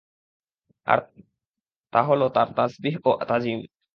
আর তাহলো তাঁর তাসবীহ ও তাজীম।